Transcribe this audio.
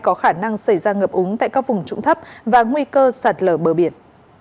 có khả năng xảy ra ngập úng tại các vùng trụng thấp và nguy cơ sạt lở bờ biển